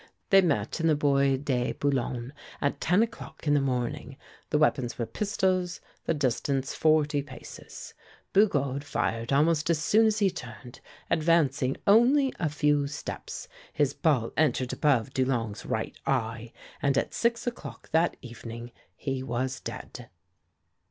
They met in the Bois de Boulogne at ten o' clock in the morning; the weapons were pistols; the distance forty paces. Bugeaud fired almost as soon as he turned, advancing only a few steps; his ball entered above Dulong's right eye, and at six o'clock that evening he was dead."